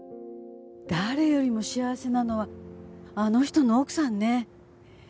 誰よりも幸せなのはあの人の奥さんね。